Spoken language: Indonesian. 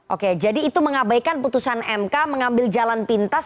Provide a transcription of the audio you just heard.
oke jadi itu mengabaikan putusan mk mengambil jalan pintas